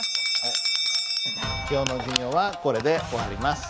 今日の授業はこれで終わります。